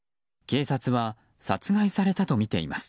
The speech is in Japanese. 警察は、殺害されたとみています。